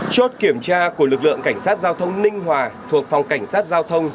chốt kiểm tra của lực lượng cảnh sát giao thông ninh hòa thuộc phòng cảnh sát giao thông